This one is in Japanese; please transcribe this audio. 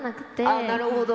ああなるほど。